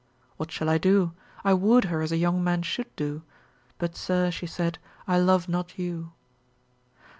What shall I do? I wooed her as a young man should do, But sir, she said, I love not you.